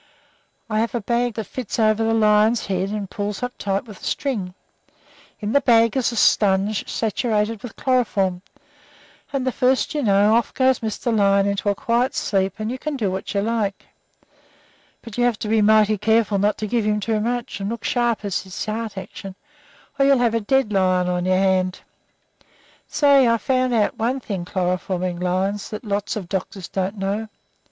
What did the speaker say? I have a bag for it that fits over a lion's head, and pulls up tight with a string. In the bag is a sponge saturated with chloroform, and the first you know off goes Mr. Lion into quiet sleep, and you can do what you like with him. But you have to be mighty careful not to give him too much, and look sharp at his heart action, or you'll have a dead lion on your hands. Say, I've found out one thing chloroforming lions that lots of doctors don't know.